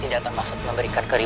tidak ada yang akan mendengar kamu